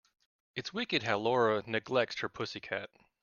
It's wicked how Lara neglects her pussy cat.